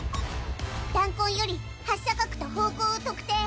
弾痕より発射角と方向を特定。